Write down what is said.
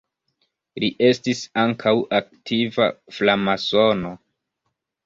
Li estis ankaŭ aktiva framasono.